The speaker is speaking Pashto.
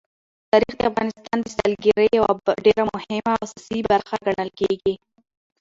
تاریخ د افغانستان د سیلګرۍ یوه ډېره مهمه او اساسي برخه ګڼل کېږي.